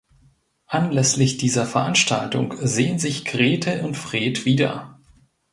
Anlässlich dieser Veranstaltung sehen sich Grete und Fred wieder.